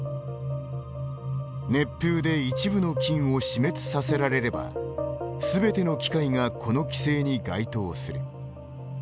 「熱風で一部の菌を死滅させられればすべての機械がこの規制に該当する」